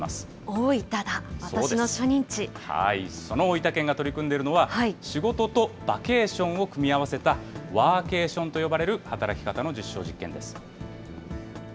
大分だ、その大分県が取り組んでいるのは、仕事とバケーションを組み合わせたワーケーションと呼ばれる働き方の実証実験です。